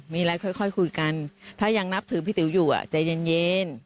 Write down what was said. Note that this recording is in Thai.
มีอะไรค่อยคุยกันถ้ายังนับถือพี่ติ๋วอยู่ใจเย็น